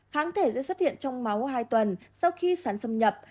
kháng thể sẽ xuất hiện trong máu hai tuần sau khi sắn xâm nhập